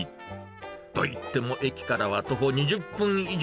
といっても駅からは徒歩２０分以上。